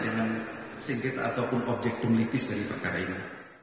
dengan singkat ataupun objektum litis dari perkara ini